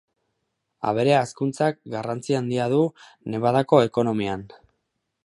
Abere hazkuntzak garrantzi handia du Nevadako ekonomian.